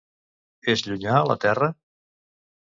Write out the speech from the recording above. És llunyà a la Terra?